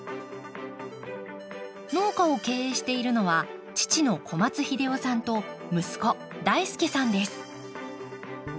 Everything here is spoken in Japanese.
農家を経営しているのは父の小松英雄さんと息子大輔さんです。